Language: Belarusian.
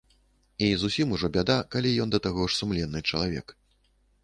І зусім ужо бяда, калі ён да таго ж сумленны чалавек.